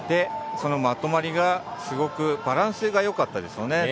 まとまりがすごくバランスが良かったですよね